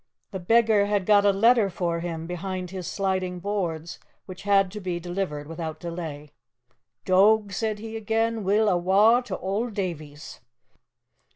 The beggar had got a letter for him behind his sliding boards which had to be delivered without delay. "Doag," said he again, "we'll awa' to auld Davie's."